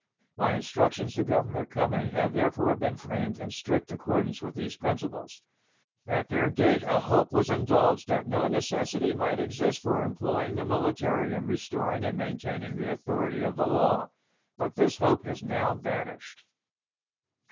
My instructions to Governor Cumming have therefore been framed in strict accordance with these principles. At their date a hope was indulged that no necessity might exist for employing the military in restoring and maintaining the authority of the law, but this hope has now vanished.